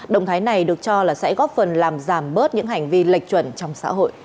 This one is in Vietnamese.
động thái này được cho là sẽ góp phần làm giảm bớt những hành vi lệch chuẩn trong xã hội